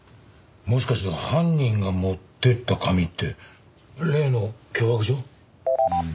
もしかして犯人が持っていった紙って例の脅迫状？